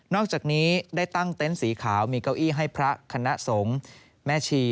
อกจากนี้ได้ตั้งเต็นต์สีขาวมีเก้าอี้ให้พระคณะสงฆ์แม่ชี